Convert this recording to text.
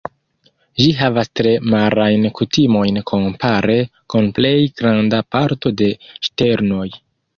Ĝi havas tre marajn kutimojn kompare kun plej granda parto de ŝternoj.